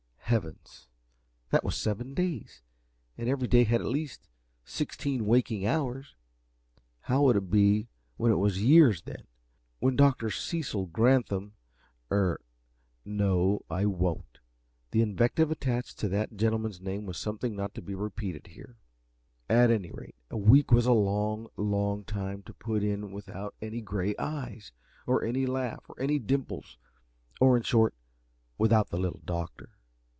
Heavens, that was seven days, and every day had at least sixteen waking hours. How would it be when it was years, then? When Dr. Cecil Granthum (er no, I won't. The invective attached to that gentleman's name was something not to be repeated here.) At any rate, a week was a long, long time to put in without any gray eyes or any laugh, or any dimples, or, in short, without the Little Doctor.